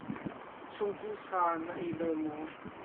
Chungkuh sa na ei bal maw?